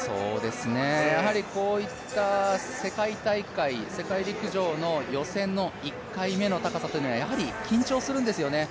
やはりこういった世界大会、世界陸上の予選の１回目の高さはやはり緊張するんですよね。